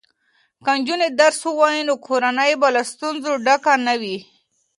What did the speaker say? که نجونې درس ووایي نو کورنۍ به له ستونزو ډکه نه وي.